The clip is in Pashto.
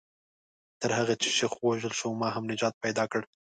تر هغه چې شیخ ووژل شو ما هم نجات پیدا کړ.